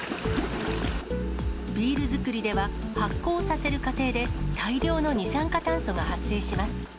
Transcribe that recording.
ビール造りでは、発酵させる過程で大量の二酸化炭素が発生します。